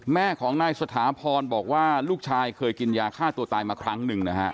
แม่ของนายสถาพรบอกว่าลูกชายเคยกินยาฆ่าตัวตายมาครั้งหนึ่งนะฮะ